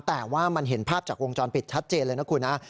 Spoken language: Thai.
แต่ว่ามันเห็นภาพจากวงจรปิดชัดเจนเลยนะคุณนะ